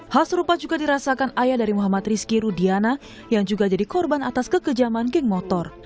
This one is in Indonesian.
hal serupa juga dirasakan ayah dari muhammad rizky rudiana yang juga jadi korban atas kekejaman geng motor